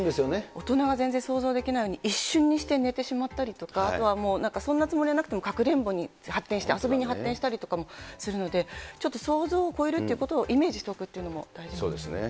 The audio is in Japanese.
大人は全然想像できないように、一瞬にして寝てしまったりとか、あとはもう、そんなつもりはなくても、かくれんぼに発展して、遊びに発展したりとかもするので、ちょっと想像を超えるということをイメージしておくということもそうですね。